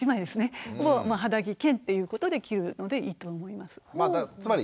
肌着兼ということで着るのでいいと思います。